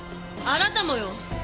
あなたもよ。